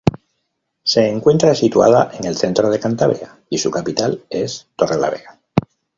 Se encuentra situada en el centro de Cantabria y su capital es Torrelavega.